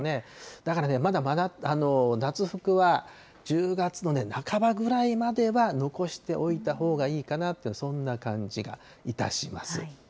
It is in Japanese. だからね、まだ夏服は１０月の半ばぐらいまでは残しておいたほうがいいかなという、そんな感じがいたします。